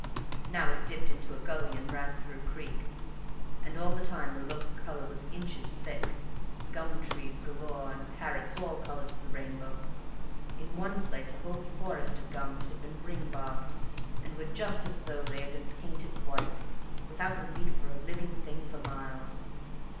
Now it dipped into a gully and ran through a creek, and all the time the local color was inches thick; gum trees galore and parrots all colors of the rainbow. In one place a whole forest of gums had been ring barked, and were just as though they had been painted white, without a leaf or a living thing for miles.